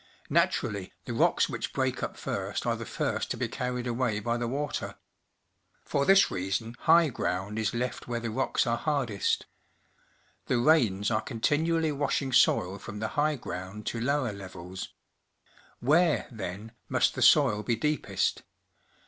Naturally, the rocks which break up first are the first to be carried away by the water. For this reason high ground is left where the rocks are hardest. The rains are continually washing soil from the high ground to lower levels. AMiere, then, must the soil be deepest?